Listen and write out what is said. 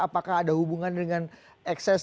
apakah ada hubungan dengan ekses